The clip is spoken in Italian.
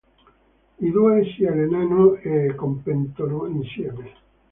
I due si allenano e competono insieme.